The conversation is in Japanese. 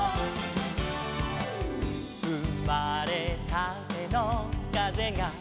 「うまれたてのかぜが」